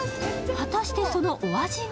果たして、そのお味は？